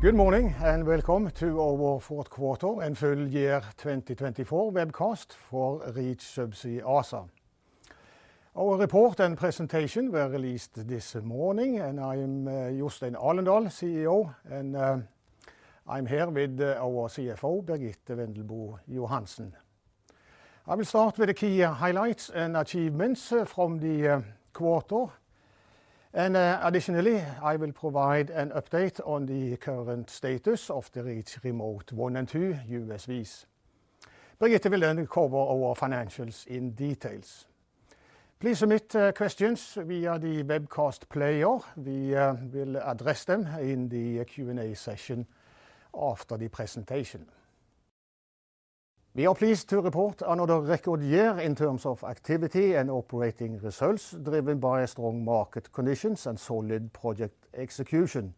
Good morning and welcome to our fourth quarter and full year 2024 Webcast for Reach Subsea ASA. Our report and presentation were released this morning, and I am Jostein Alendal, CEO, and I am here with our CFO, Birgitte Wendelbo Johansen. I will start with the key highlights and achievements from the quarter, and additionally, I will provide an update on the current status of the Reach Remote 1 & 2 USVs. Birgitte will then cover our financials in detail. Please submit questions via the webcast player. We will address them in the Q&A session after the presentation. We are pleased to report another record year in terms of activity and operating results, driven by strong market conditions and solid project execution.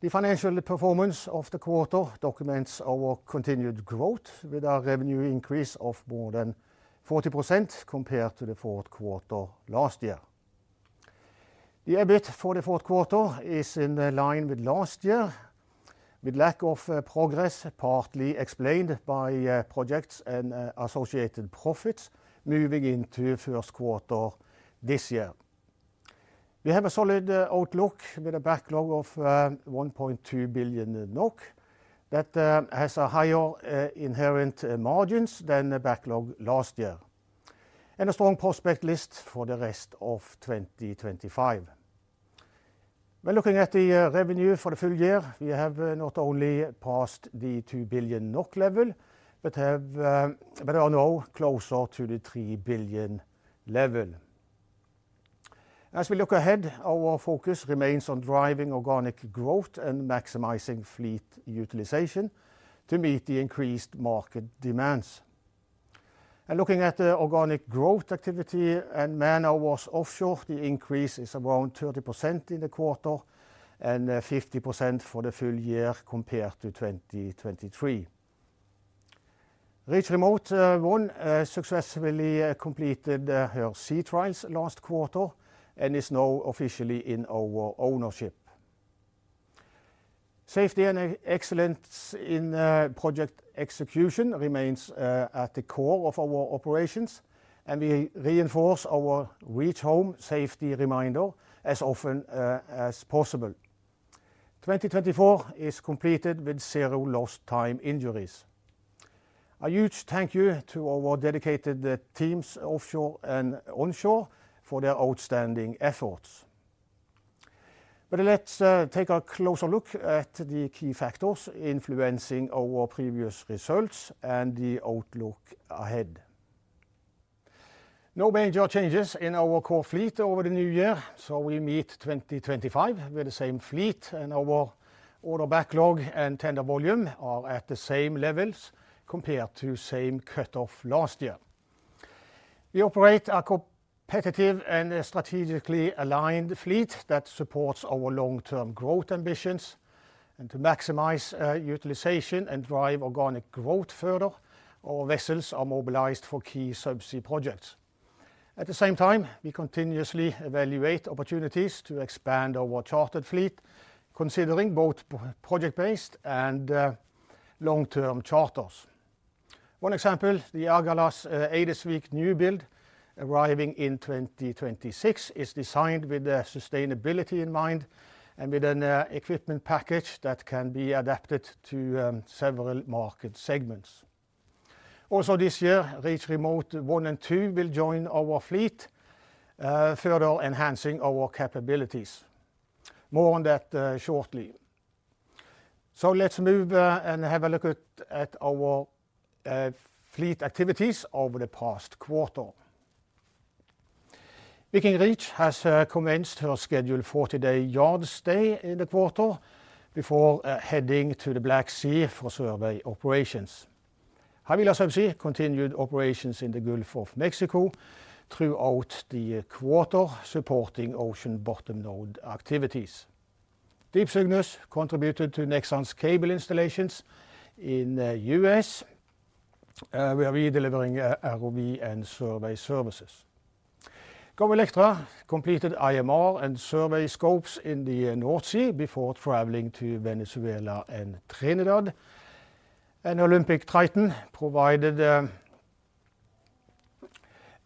The financial performance of the quarter documents our continued growth with a revenue increase of more than 40% compared to the fourth quarter last year. The EBIT for the fourth quarter is in line with last year, with lack of progress partly explained by projects and associated profits moving into the first quarter this year. We have a solid outlook with a backlog of 1.2 billion NOK that has higher inherent margins than the backlog last year, and a strong prospect list for the rest of 2025. When looking at the revenue for the full year, we have not only passed the 2 billion NOK level but are now closer to the 3 billion level. As we look ahead, our focus remains on driving organic growth and maximizing fleet utilization to meet the increased market demands. Looking at the organic growth activity and man-hours offshore, the increase is around 30% in the quarter and 50% for the full year compared to 2023. Reach Remote 1 successfully completed her sea trials last quarter and is now officially in our ownership. Safety and excellence in project execution remains at the core of our operations, and we reinforce our Reach Home safety reminder as often as possible. 2024 is completed with zero lost time injuries. A huge thank you to our dedicated teams offshore and onshore for their outstanding efforts. Let's take a closer look at the key factors influencing our previous results and the outlook ahead. No major changes in our core fleet over the new year, so we meet 2025 with the same fleet, and our order backlog and tender volume are at the same levels compared to the same cut-off last year. We operate a competitive and strategically aligned fleet that supports our long-term growth ambitions, and to maximize utilization and drive organic growth further, our vessels are mobilized for key subsea projects. At the same time, we continuously evaluate opportunities to expand our chartered fleet, considering both project-based and long-term charters. One example, the Agalas and Eidesvik new build, arriving in 2026, is designed with sustainability in mind and with an equipment package that can be adapted to several market segments. Also, this year, Reach Remote 1 & 2 will join our fleet, further enhancing our capabilities. More on that shortly. Let us move and have a look at our fleet activities over the past quarter. Viking Reach has commenced her scheduled 40-day yard stay in the quarter before heading to the Black Sea for survey operations. Havila Subsea continued operations in the Gulf of Mexico throughout the quarter, supporting ocean bottom node activities. Deep Cygnus contributed to Nexans cable installations in the U.S., where we are delivering ROV and survey services. Go Electra completed IMR and survey scopes in the North Sea before traveling to Venezuela and Trinidad. Olympic Triton provided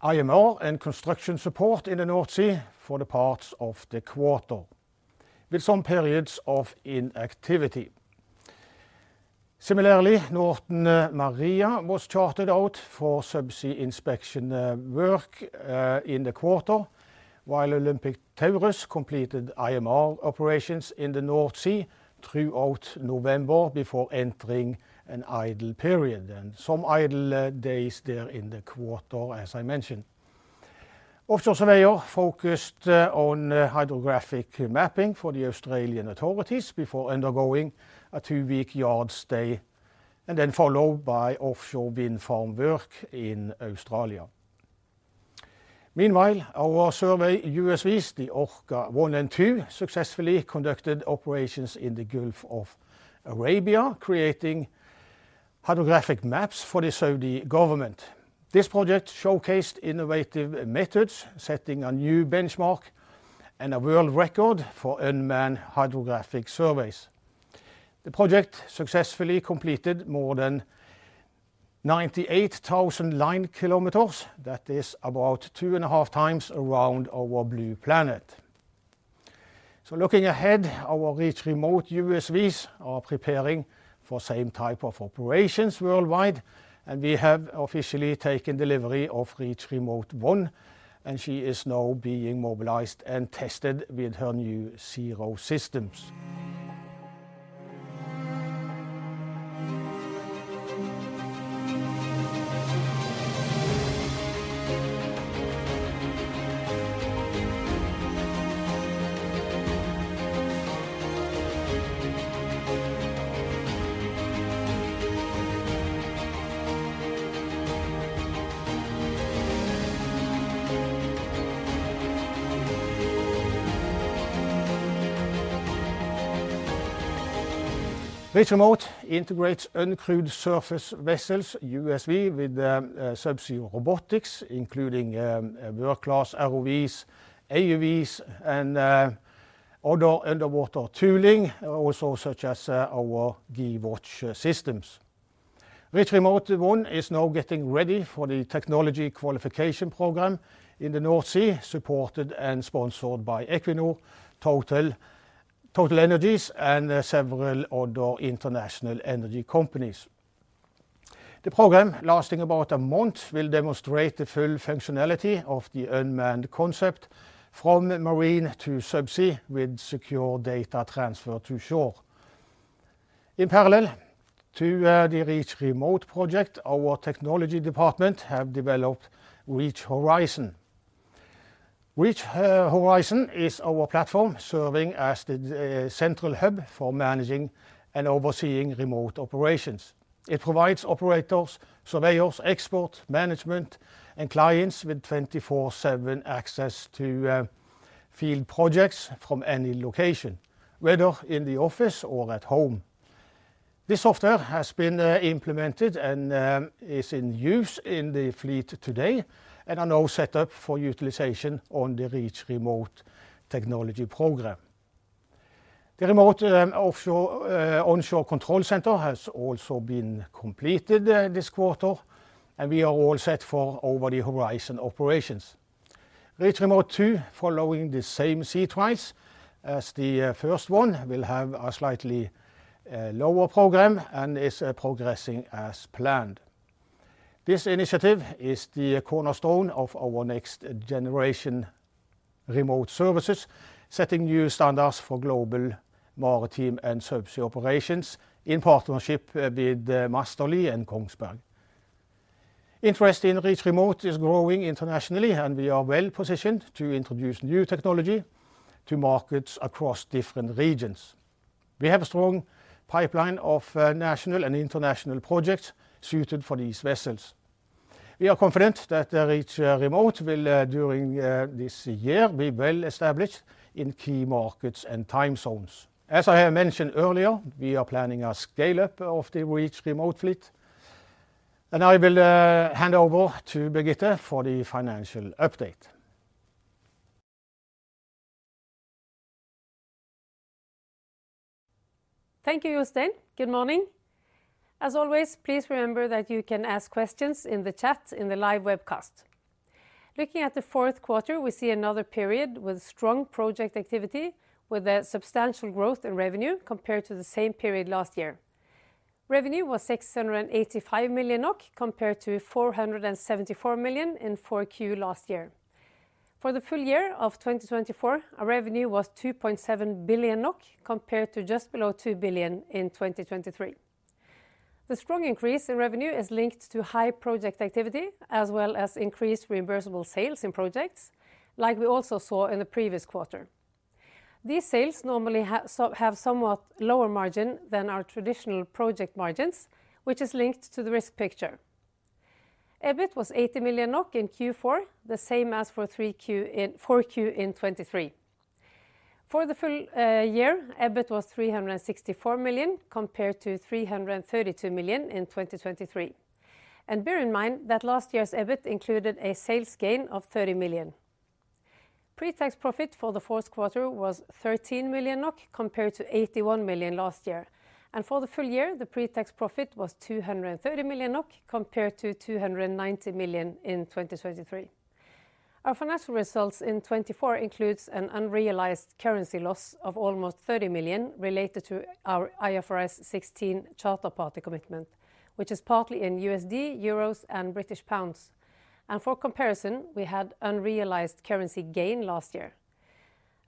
IMR and construction support in the North Sea for parts of the quarter, with some periods of inactivity. Similarly, Northern Maria was chartered out for subsea inspection work in the quarter, while Olympic Taurus completed IMR operations in the North Sea throughout November before entering an idle period, and some idle days there in the quarter, as I mentioned. Offshore Surveyor focused on hydrographic mapping for the Australian authorities before undergoing a two-week yard stay, followed by offshore wind farm work in Australia. Meanwhile, our survey USVs, the Orca 1 and 2, successfully conducted operations in the Gulf of Arabia, creating hydrographic maps for the Saudi government. This project showcased innovative methods, setting a new benchmark and a world record for unmanned hydrographic surveys. The project successfully completed more than 98,000 line kilometers that is about two and a half times around our blue planet. Looking ahead, our Reach Remote USVs are preparing for the same type of operations worldwide, and we have officially taken delivery of Reach Remote 1, and she is now being mobilized and tested with her new ZEEROV systems. Reach Remote integrates uncrewed surface vessels, USV, with subsea robotics, including work-class ROVs, AUVs, and other underwater tooling, also such as our gWatch systems. Reach Remote 1 is now getting ready for the technology qualification program in the North Sea, supported and sponsored by Equinor, TotalEnergies, and several other international energy companies. The program, lasting about a month, will demonstrate the full functionality of the unmanned concept from marine to subsea with secure data transfer to shore. In parallel to the Reach Remote project, our technology department has developed Reach Horizon. Reach Horizon is our platform serving as the central hub for managing and overseeing remote operations. It provides operators, surveyors, export management, and clients with 24/7 access to field projects from any location, whether in the office or at home. This software has been implemented and is in use in the fleet today and is now set up for utilization on the Reach Remote technology program. The remote onshore control center has also been completed this quarter, and we are all set for over-the-horizon operations. Reach Remote 2, following the same sea trials as the first one, will have a slightly lower program and is progressing as planned. This initiative is the cornerstone of our next generation remote services, setting new standards for global maritime and subsea operations in partnership with Massterly and Kongsberg. Interest in Reach Remote is growing internationally, and we are well positioned to introduce new technology to markets across different regions. We have a strong pipeline of national and international projects suited for these vessels. We are confident that Reach Remote will, during this year, be well established in key markets and time zones. As I have mentioned earlier, we are planning a scale-up of the Reach Remote fleet, and I will hand over to Birgitte for the financial update. Thank you, Jostein. Good morning. As always, please remember that you can ask questions in the chat in the live webcast. Looking at the fourth quarter, we see another period with strong project activity, with a substantial growth in revenue compared to the same period last year. Revenue was 685 million NOK compared to 474 million in Q4 last year. For the full year of 2024, revenue was 2.7 billion NOK compared to just below 2 billion in 2023. The strong increase in revenue is linked to high project activity, as well as increased reimbursable sales in projects, like we also saw in the previous quarter. These sales normally have a somewhat lower margin than our traditional project margins, which is linked to the risk picture. EBIT was 80 million NOK in Q4, the same as for Q4 in 2023. For the full year, EBIT was 364 million compared to 332 million in 2023. Bear in mind that last year's EBIT included a sales gain of 30 million. Pre-tax profit for the fourth quarter was 13 million NOK compared to 81 million last year. For the full year, the pre-tax profit was 230 million NOK compared to 290 million in 2023. Our financial results in 2024 include an unrealized currency loss of almost 30 million related to our IFRS 16 charter party commitment, which is partly in USD, Euros, and British Pounds. For comparison, we had an unrealized currency gain last year.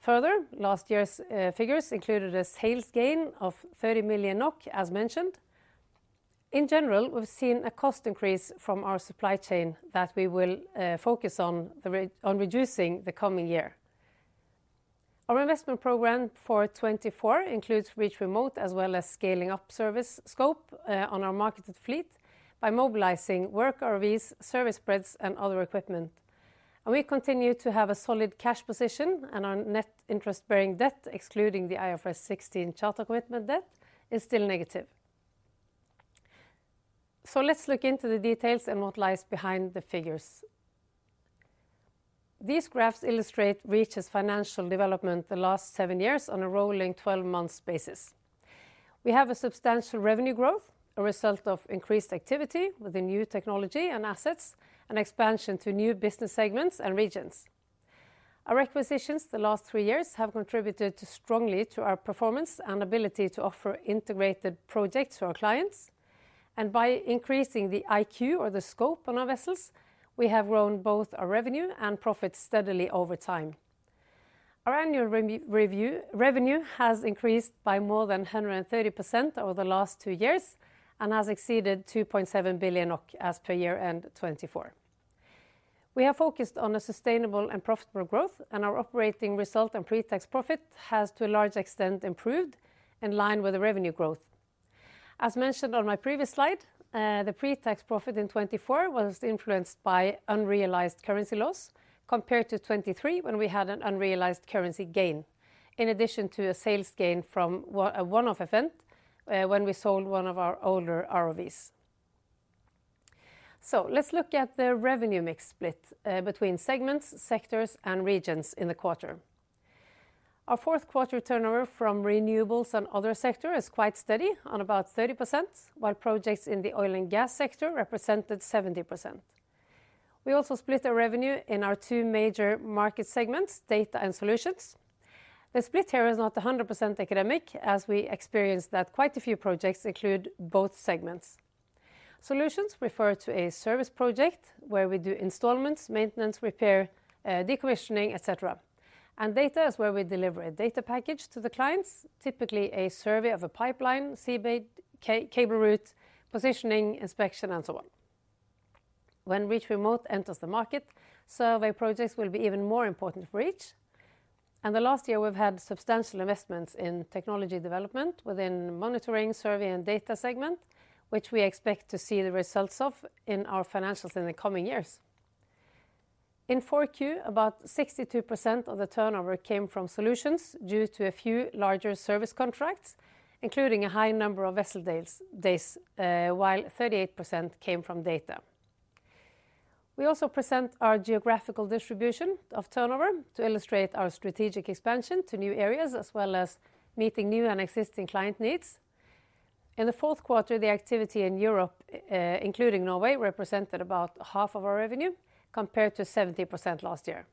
Further, last year's figures included a sales gain of 30 million NOK, as mentioned. In general, we've seen a cost increase from our supply chain that we will focus on reducing the coming year. Our investment program for 2024 includes Reach Remote, as well as scaling up service scope on our marketed fleet by mobilizing work ROVs, service spreads, and other equipment. We continue to have a solid cash position, and our net interest-bearing debt, excluding the IFRS 16 charter commitment debt, is still negative. Let's look into the details and what lies behind the figures. These graphs illustrate Reach's financial development the last seven years on a rolling 12-month basis. We have substantial revenue growth as a result of increased activity with the new technology and assets and expansion to new business segments and regions. Our acquisitions the last three years have contributed strongly to our performance and ability to offer integrated projects to our clients. By increasing the IQ, or the scope on our vessels, we have grown both our revenue and profit steadily over time. Our annual revenue has increased by more than 130% over the last two years and has exceeded 2.7 billion NOK as per year end 2024. We have focused on a sustainable and profitable growth, and our operating result and pre-tax profit have to a large extent improved in line with the revenue growth. As mentioned on my previous slide, the pre-tax profit in 2024 was influenced by unrealized currency loss compared to 2023 when we had an unrealized currency gain, in addition to a sales gain from a one-off event when we sold one of our older ROVs. Let's look at the revenue mix split between segments, sectors, and regions in the quarter. Our fourth quarter turnover from renewables and other sectors is quite steady on about 30%, while projects in the oil and gas sector represented 70%. We also split our revenue in our two major market segments, data and solutions. The split here is not 100% academic, as we experience that quite a few projects include both segments. Solutions refer to a service project where we do installments, maintenance, repair, decommissioning, etc. Data is where we deliver a data package to the clients, typically a survey of a pipeline, seabed, cable route, positioning, inspection, and so on. When Reach Remote enters the market, survey projects will be even more important for Reach. The last year, we've had substantial investments in technology development within the monitoring, survey, and data segment, which we expect to see the results of in our financials in the coming years. In Q4, about 62% of the turnover came from solutions due to a few larger service contracts, including a high number of vessel days, while 38% came from data. We also present our geographical distribution of turnover to illustrate our strategic expansion to new areas, as well as meeting new and existing client needs. In the fourth quarter, the activity in Europe, including Norway, represented about half of our revenue compared to 70% last year.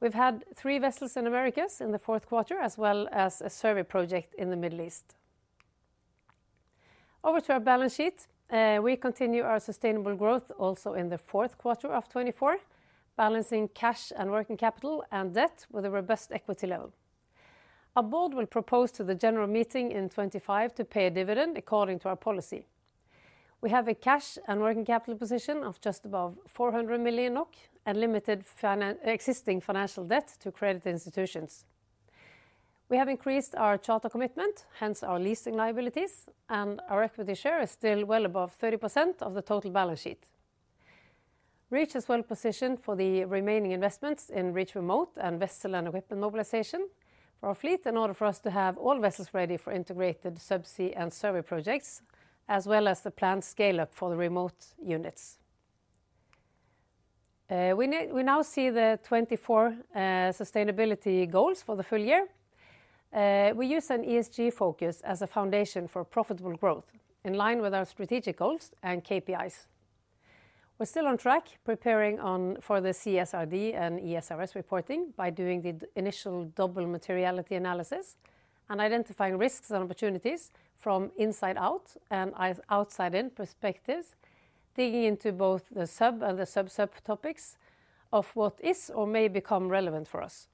We've had three vessels in the Americas in the fourth quarter, as well as a survey project in the Middle East. Over to our balance sheet. We continue our sustainable growth also in the fourth quarter of 2024, balancing cash and working capital and debt with a robust equity level. Our Board will propose to the general meeting in 2025 to pay a dividend according to our policy. We have a cash and working capital position of just above 400 million NOK and limited existing financial debt to credit institutions. We have increased our charter commitment, hence our leasing liabilities, and our equity share is still well above 30% of the total balance sheet. Reach is well positioned for the remaining investments in Reach Remote and vessel and equipment mobilization for our fleet in order for us to have all vessels ready for integrated subsea and survey projects, as well as the planned scale-up for the remote units. We now see the 2024 sustainability goals for the full year. We use an ESG focus as a foundation for profitable growth in line with our strategic goals and KPIs. We're still on track, preparing for the CSRD and ESRS reporting by doing the initial double materiality analysis and identifying risks and opportunities from inside out and outside in perspectives, digging into both the sub and the sub-sub topics of what is or may become relevant for us.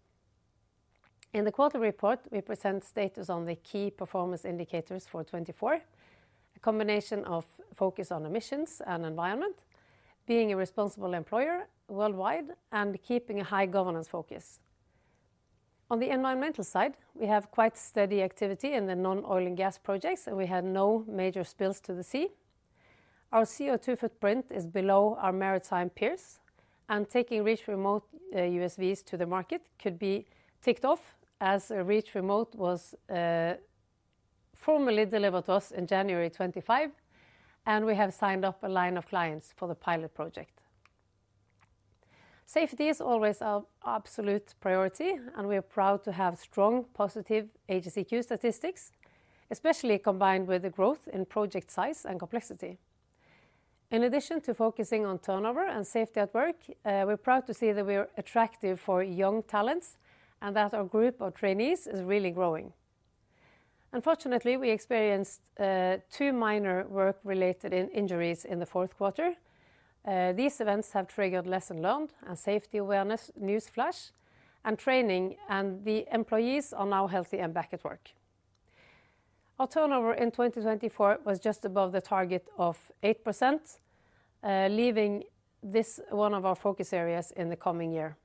In the quarter report, we present status on the key performance indicators for 2024, a combination of focus on emissions and environment, being a responsible employer worldwide, and keeping a high governance focus. On the environmental side, we have quite steady activity in the non-oil and gas projects, and we had no major spills to the sea. Our CO2 footprint is below our maritime peers, and taking Reach Remote USVs to the market could be ticked off as Reach Remote was formally delivered to us in January 2025, and we have signed up a line of clients for the pilot project. Safety is always our absolute priority, and we are proud to have strong, positive HSEQ statistics, especially combined with the growth in project size and complexity. In addition to focusing on turnover and safety at work, we're proud to see that we're attractive for young talents and that our group of trainees is really growing. Unfortunately, we experienced two minor work-related injuries in the fourth quarter. These events have triggered lesson learned and safety awareness news flash and training, and the employees are now healthy and back at work. Our turnover in 2024 was just above the target of eight percent, leaving this one of our focus areas in the coming year.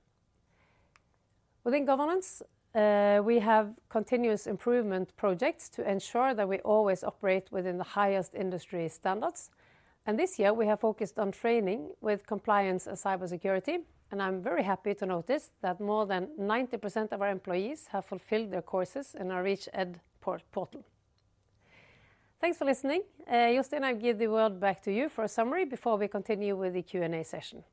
Within governance, we have continuous improvement projects to ensure that we always operate within the highest industry standards. This year, we have focused on training with compliance and cybersecurity. I'm very happy to notice that more than 90% of our employees have fulfilled their courses in our ReachED portal. Thanks for listening. Jostein, I'll give the word back to you for a summary before we continue with the Q&A session.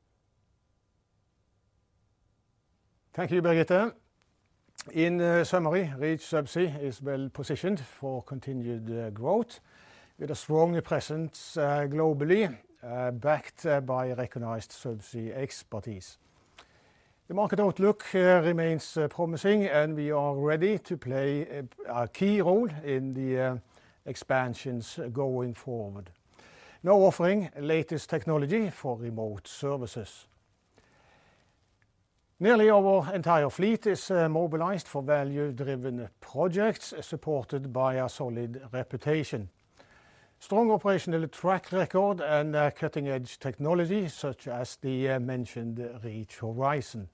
Thank you, Birgitte. In summary, Reach Subsea is well positioned for continued growth with a strong presence globally, backed by recognized subsea expertise. The market outlook remains promising, and we are ready to play a key role in the expansions going forward, now offering the latest technology for remote services. Nearly our entire fleet is mobilized for value-driven projects supported by a solid reputation, strong operational track record, and cutting-edge technologies such as the mentioned Reach Horizon.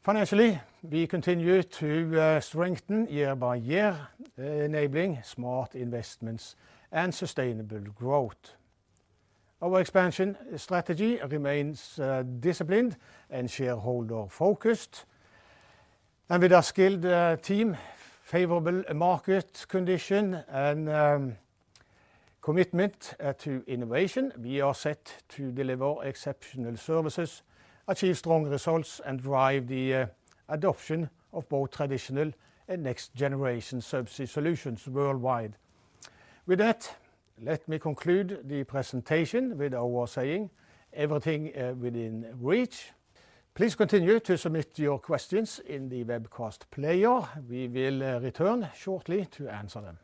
Financially, we continue to strengthen year-by-year, enabling smart investments and sustainable growth. Our expansion strategy remains disciplined and shareholder-focused. With a skilled team, favorable market condition, and commitment to innovation, we are set to deliver exceptional services, achieve strong results, and drive the adoption of both traditional and next-generation subsea solutions worldwide. With that, let me conclude the presentation with our saying, "Everything within reach." Please continue to submit your questions in the webcast player. We will return shortly to answer them.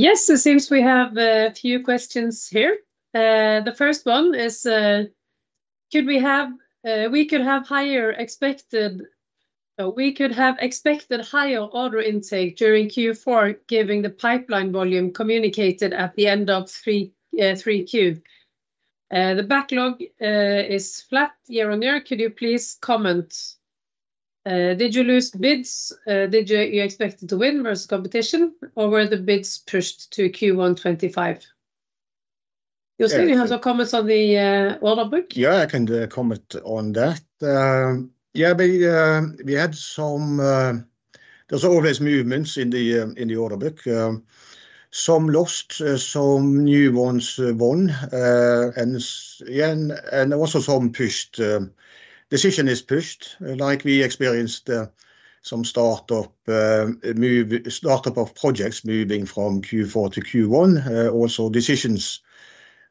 Yes, it seems we have a few questions here. The first one is, could we have expected higher order intake during Q4, given the pipeline volume communicated at the end of Q3? The backlog is flat year-on-year. Could you please comment? Did you lose bids? Did you expect to win versus competition, or were the bids pushed to Q1 2025? Jostein, you have some comments on the order book? Yeah, I can comment on that. Yeah, we had some, there's always movements in the order book, some lost, some new ones won. Also, some pushed decisions is pushed, like we experienced some startup projects moving from Q4-Q1. Also, decisions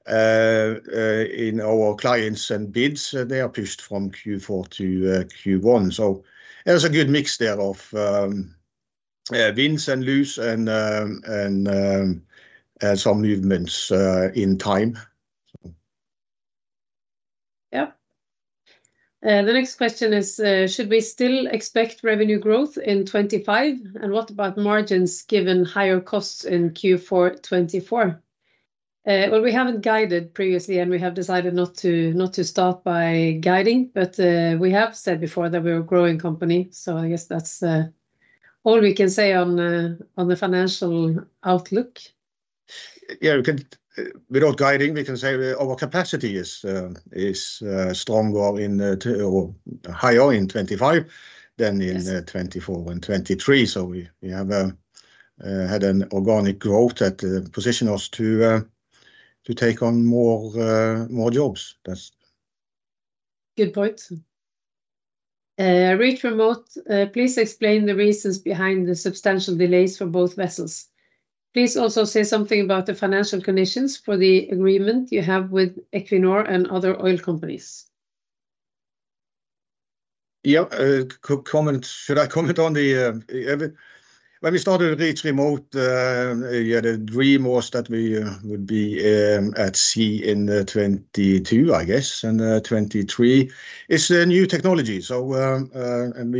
in our clients and bids, they are pushed from Q4-Q1. It was a good mix there of wins and loses and some movements in time. Yeah. The next question is, should we still expect revenue growth in 2025? And what about margins given higher costs in Q4 2024? We haven't guided previously, and we have decided not to start by guiding, but we have said before that we're a growing company. So I guess that's all we can say on the financial outlook. Yeah, without guiding, we can say our capacity is stronger in or higher in 2025 than in 2024 and 2023. So we have had an organic growth that positioned us to take on more jobs. Good point. Reach Remote, please explain the reasons behind the substantial delays for both vessels. Please also say something about the financial conditions for the agreement you have with Equinor and other oil companies. Yeah, comment. Should I comment on the when we started Reach Remote, the dream was that we would be at sea in 2022, I guess, and 2023 is a new technology. We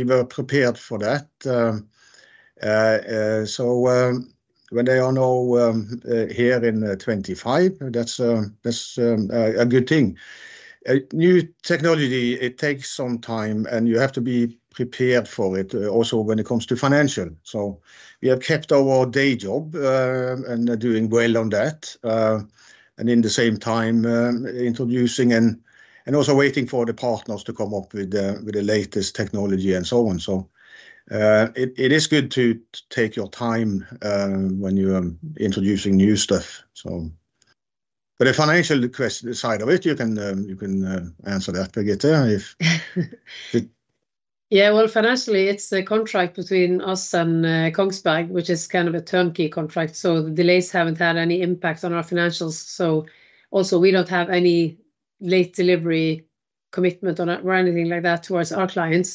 were prepared for that. When they are now here in 2025, that's a good thing. New technology, it takes some time, and you have to be prepared for it also when it comes to financial. We have kept our day job and doing well on that. In the same time, introducing and also waiting for the partners to come up with the latest technology and so on. It is good to take your time when you are introducing new stuff. The financial side of it, you can answer that, Birgitte. Yeah, financially, it's a contract between us and Kongsberg, which is kind of a turnkey contract. The delays haven't had any impact on our financials. Also, we don't have any late delivery commitment or anything like that towards our clients.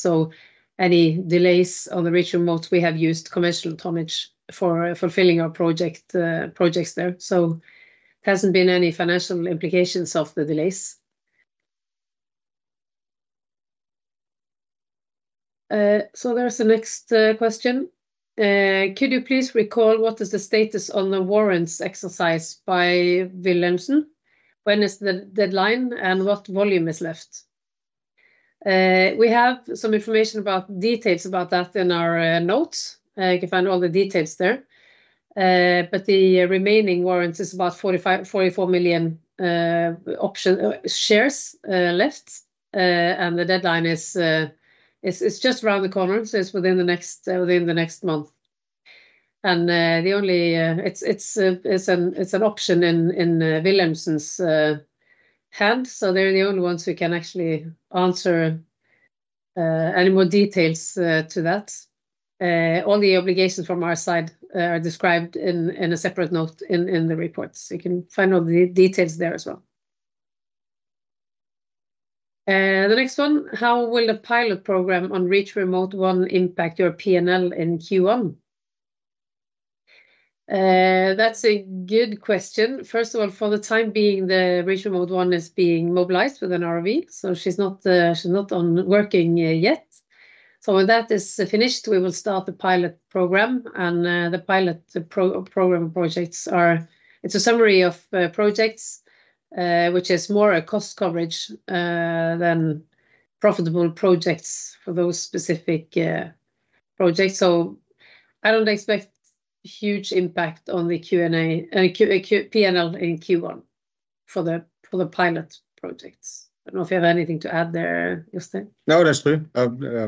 Any delays on the Reach Remote, we have used conventional tonnage for fulfilling our projects there. There hasn't been any financial implications of the delays. There's the next question. Could you please recall what is the status on the warrants exercise by Wilhelmsen? When is the deadline and what volume is left? We have some information about details about that in our notes. You can find all the details there. The remaining warrants is about 44 million shares left. The deadline is just around the corner. It's within the next month. The only, it's an option in Wilhelmsen's hand. They are the only ones who can actually answer any more details to that. All the obligations from our side are described in a separate note in the report. You can find all the details there as well. The next one, how will the pilot program on Reach Remote 1 impact your P&L in Q1? That's a good question. First of all, for the time being, the Reach Remote 1 is being mobilized with an ROV. She's not working yet. When that is finished, we will start the pilot program. The pilot program projects are, it's a summary of projects, which is more a cost coverage than profitable projects for those specific projects. I don't expect huge impact on the P&L in Q1 for the pilot projects. I don't know if you have anything to add there, Jostein. No, that's true.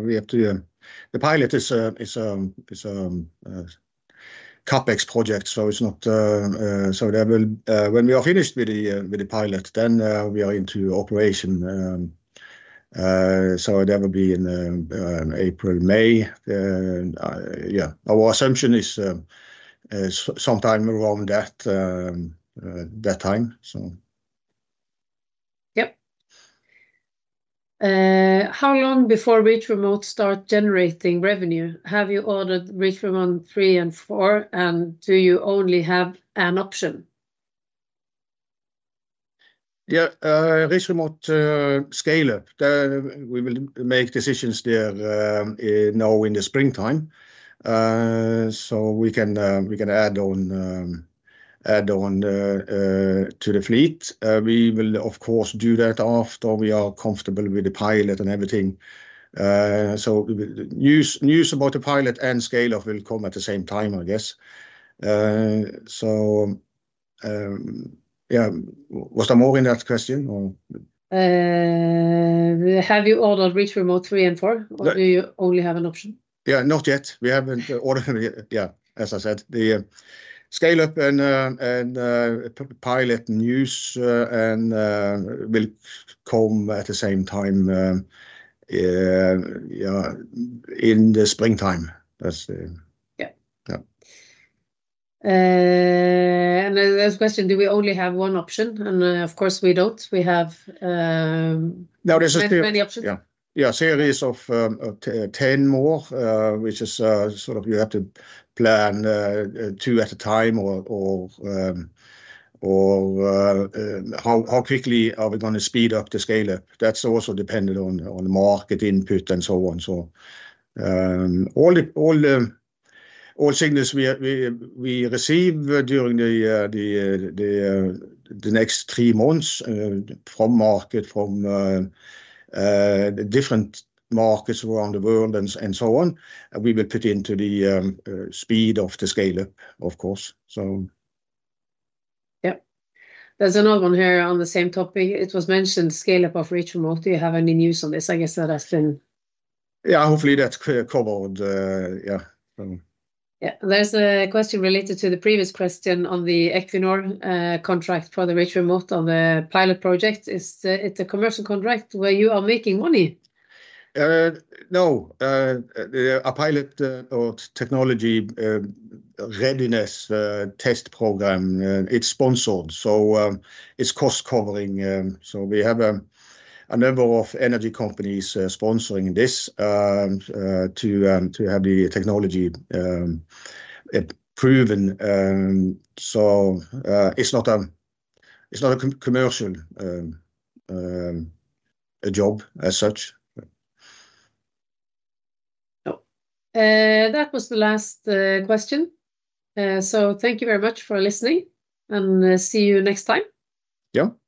We have to, the pilot is a CapEx project. It's not, so when we are finished with the pilot, then we are into operation. That will be in April, May. Yeah, our assumption is sometime around that time. Yep. How long before Reach Remote starts generating revenue? Have you ordered Reach Remote 3 & 4? Do you only have an option? Yeah, Reach Remote scale-up. We will make decisions there now in the springtime. We can add on to the fleet. We will, of course, do that after we are comfortable with the pilot and everything. News about the pilot and scale-up will come at the same time, I guess. Was there more in that question or? Have you ordered Reach Remote 3 & 4? Or do you only have an option? Yeah, not yet. We haven't ordered yet, as I said, the scale-up and pilot news will come at the same time, yeah, in the springtime. Yeah. There is a question, do we only have one option? Of course, we do not. We have many options. Yeah, series of 10 more, which is sort of you have to plan two at a time or how quickly are we going to speed up the scale-up. That is also dependent on market input and so on. All signals we receive during the next three months from market, from different markets around the world and so on, we will put into the speed of the scale-up, of course. Yeah. There's another one here on the same topic. It was mentioned scale-up of Reach Remote. Do you have any news on this? I guess that has been. Yeah, hopefully that's clear covered. Yeah. Yeah. There's a question related to the previous question on the Equinor contract for the Reach Remote on the pilot project. Is it a commercial contract where you are making money? No. A pilot or technology readiness test program, it's sponsored. It's cost covering. We have a number of energy companies sponsoring this to have the technology proven. It's not a commercial job as such. Yeah. That was the last question. Thank you very much for listening, and see you next time. Yeah.